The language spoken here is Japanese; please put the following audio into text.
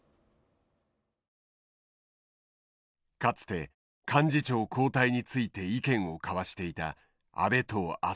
かつて幹事長交代について意見を交わしていた安倍と麻生。